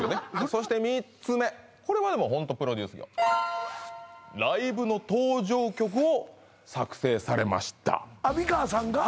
そして３つ目これはでもホントプロデュース業ライブの登場曲を作成されました美川さんが？